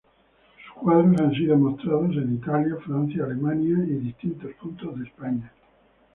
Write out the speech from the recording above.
Sus cuadros han sido mostrados en Italia, Francia, Alemania y distintos puntos de España.